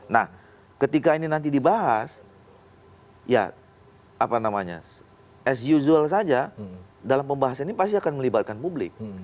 nah ketika ini nanti dibahas ya apa namanya as usual saja dalam pembahasan ini pasti akan melibatkan publik